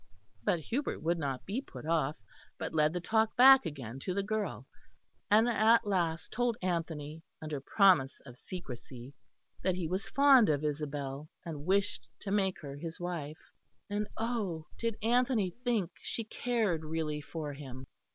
But Hubert would not be put off; but led the talk back again to the girl; and at last told Anthony under promise of secrecy that he was fond of Isabel, and wished to make her his wife; and oh! did Anthony think she cared really for him.